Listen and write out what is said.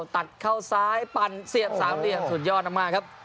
ตัดเข้าซ้ายปั่นเสียบสามเหลี่ยมสุดยอดมากครับ